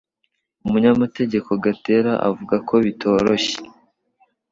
Umunyamategeko Gatera avuga ko bitoroshye